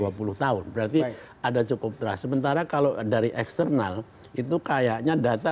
dua puluh tahun berarti ada cukup terasa sementara kalau dari eksternal itu kayaknya data